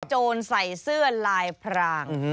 โจรใส่เสื้อลายพราง